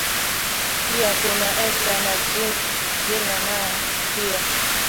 pia kuna esther na jina nao pia